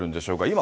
今、